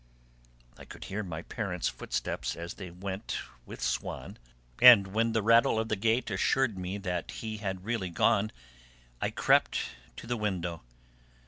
I could hear my parents' footsteps as they went with Swann; and, when the rattle of the gate assured me that he had really gone, I crept to the window.